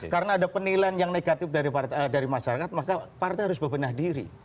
karena ada penilaian yang negatif dari masyarakat maka partai harus bebenah diri